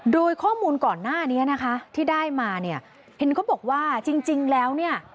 โดยข้อมูลก่อนหน้านี้นะคะที่ได้มาเนี่ยเห็นเขาบอกว่าจริงแล้วเนี่ย